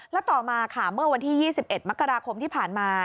แล้วต่อมาค่ะเมื่อวันที่๒๑มกราคมที่ผ่านมา